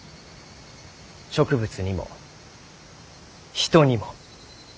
植物にも人にも。